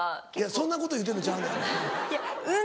そんなこと言うてんのちゃうねん。